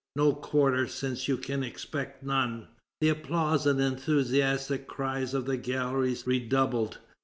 No quarter, since you can expect none." The applause and enthusiastic cries of the galleries redoubled.